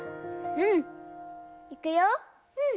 うん。